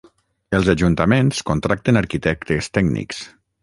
Els ajuntaments contracten arquitectes tècnics.